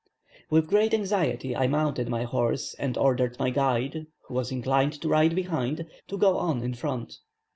With great anxiety I mounted my horse and ordered my guide, who was inclined to ride behind, to go on in front.